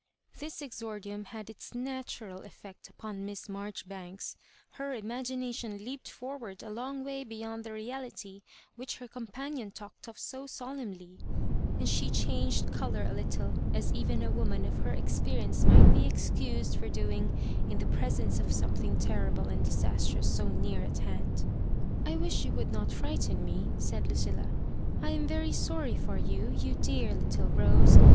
This exordium had its natural effect upon Miss Marjoribanks ; her imagination leaped for ward a long way beyond the reality which her companion talked of so solemnly, and she changed a>lour a little, «b even a woman of her expe rience might be excused for doing in the pre sence of something terrible and disaatroua so near at band. "I wish you would not frighten me," said Lucilla; I am very sorry for you, you dear little Rose.